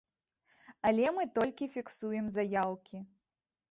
Але мы толькі фіксуем заяўкі.